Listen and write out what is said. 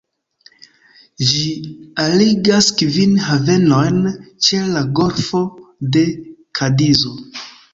Ĝi arigas kvin havenojn ĉe la golfo de Kadizo.